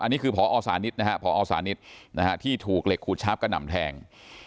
อันนี้คือพอสานิทนะฮะพอสานิทที่ถูกเหล็กขูดชาร์ฟกระหน่ำแทง